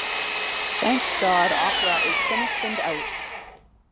Thank God opera is finished and out.